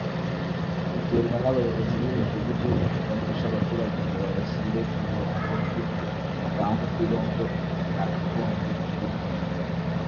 biterwa n’abayobozi b’imidugudu badafasha abaturage ngo babashyire ku murongo bityo hapangwe uko irondo ryakagombye gukorwa